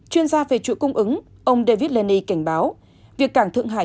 chuyên gia về chuỗi cung ứng ông david lenny cảnh báo